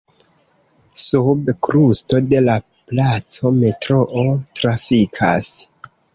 Sub krusto de la placo metroo trafikas.